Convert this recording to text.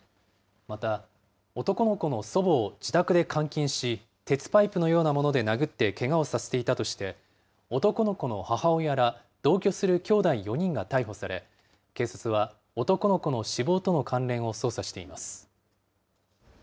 また男の子の祖母を自宅で監禁し、鉄パイプのようなもので殴ってけがをさせていたとして、男の子の母親ら同居するきょうだい４人が逮捕され、警察は、男の子の死亡との関連を捜査しています。